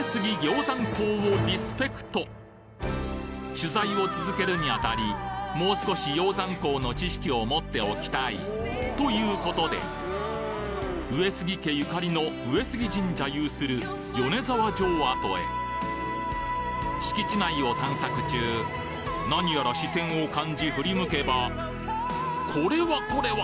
取材を続けるにあたりもう少し鷹山公の知識を持っておきたい。ということで上杉家ゆかりの上杉神社有する米沢城跡へ敷地内を探索中なにやら視線を感じ振り向けばこれはこれは！